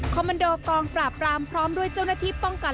คอมมันโดกองปราบปรามพร้อมด้วยเจ้าหน้าที่ป้องกัน